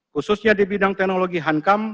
khususnya di bidang teknologi hankam